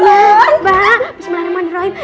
iya mbak bismillahirrahmanirrahim